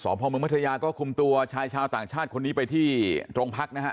พ่อเมืองพัทยาก็คุมตัวชายชาวต่างชาติคนนี้ไปที่โรงพักนะฮะ